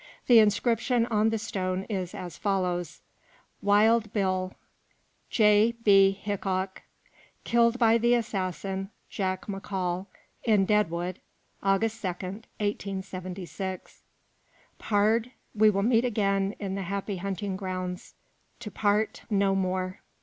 The inscription on the stone is as follows: WILD BILL, (J. B. HICKOK,) KILLED BY THE ASSASSIN, JACK McCALL, IN DEADWOOD, AUGUST 2, 1876. _Pard, we will meet again in the Happy Hunting Grounds, to part no more.